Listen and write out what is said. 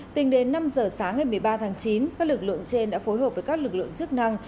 tính đến năm giờ sáng ngày một mươi ba tháng chín các lực lượng trên đã phối hợp với các lực lượng chức năng